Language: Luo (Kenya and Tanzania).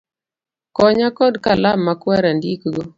Konya kod Kalam makwar andikgo